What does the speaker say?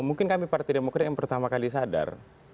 mungkin kami partai demokrat yang pertama kali sadar